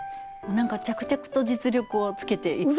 何か着々と実力をつけていって。